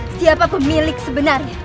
siapa pemilik sebenarnya